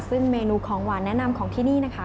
ซึ่งเมนูของหวานแนะนำของที่นี่นะคะ